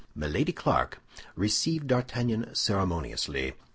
Milady Clarik received D'Artagnan ceremoniously.